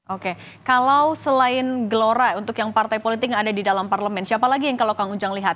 oke kalau selain gelora untuk yang partai politik yang ada di dalam parlemen siapa lagi yang kalau kang ujang lihat